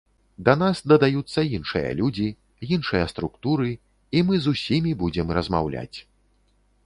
Да нас дадаюцца іншыя людзі, іншыя структуры, і мы з усімі будзем размаўляць.